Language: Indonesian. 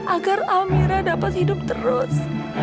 agar almira dapat hidup terus